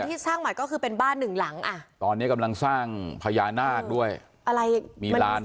อ่าที่สร้างใหม่ก็คือเป็นบ้านหนึ่งหลัง